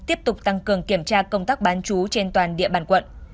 tiếp tục tăng cường kiểm tra công tác bán chú trên toàn địa bàn quận